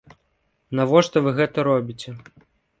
Навошта вы гэта робіце?